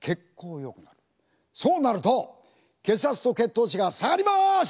そうなると血圧と血糖値が下がります！